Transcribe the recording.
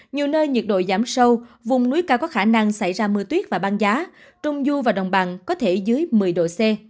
nhiều nơi nhiệt độ giảm sâu vùng núi cao có khả năng xảy ra mưa tuyết và băng giá trung du và đồng bằng có thể dưới một mươi độ c